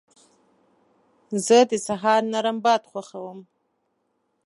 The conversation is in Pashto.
زه د سهار نرم باد خوښوم.